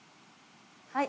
はい。